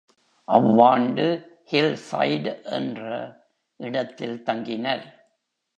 அவ்வாண்டு hillside என்ற இடத்தில் தங்கினர்.